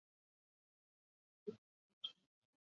Euskaltzaindiak onartzen duen toponimo euskalduna da.